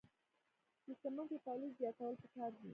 د سمنټو تولید زیاتول پکار دي